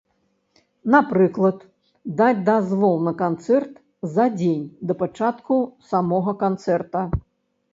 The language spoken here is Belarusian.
Напрыклад, даць дазвол на канцэрт за дзень да пачатку самога канцэрта.